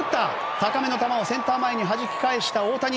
高めの球をセンター前へはじき返した大谷。